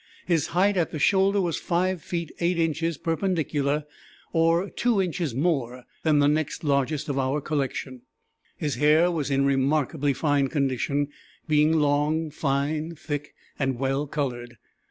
His height at the shoulder was 5 feet 8 inches perpendicular, or 2 inches more than the next largest of our collection. His hair was in remarkably fine condition, being long, fine, thick, and well colored.